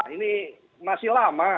ini masih lama